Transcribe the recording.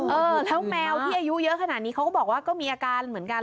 เออแล้วแมวที่อายุเยอะขนาดนี้เขาก็บอกว่าก็มีอาการเหมือนกัน